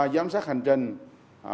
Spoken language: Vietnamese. giám sát hành trình